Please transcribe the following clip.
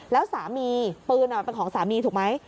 แล้วสามีปืนเป็นของสามีถูกไหม